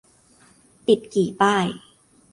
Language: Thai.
ติดกี่ป้าย ?